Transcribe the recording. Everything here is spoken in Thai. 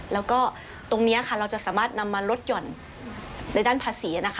แล้วก็ตรงนี้ค่ะเราจะสามารถนำมาลดหย่อนในด้านภาษีนะคะ